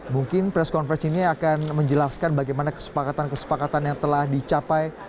mungkin press conference ini akan menjelaskan bagaimana kesepakatan kesepakatan yang telah dicapai